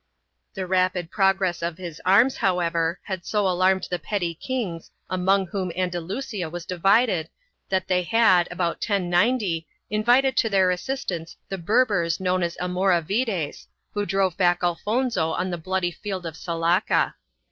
4 The rapid progress of his arms, however, had so alarmed the petty kings among whom Andalusia; was divided that they had, about 1090, invited to their assistance the Berbers known as Almoravides, who drove back Alfonso on the bloody field of Zalaca.